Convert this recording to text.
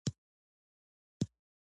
یا مو د هغه کرامت مراعات کړی دی.